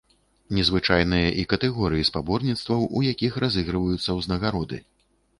Незвычайныя і катэгорыі спаборніцтваў, у якіх разыгрываюцца ўзнагароды.